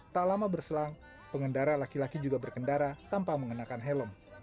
tak lama berselang pengendara laki laki juga berkendara tanpa mengenakan helm